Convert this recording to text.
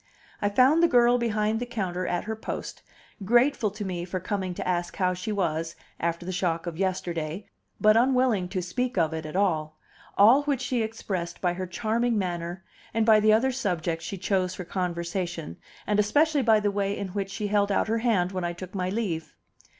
I found the girl behind the counter at her post, grateful to me for coming to ask how she was after the shock of yesterday, but unwilling to speak of it at all; all which she expressed by her charming manner, and by the other subjects she chose for conversation, and especially by the way in which she held out her hand when I took my leave.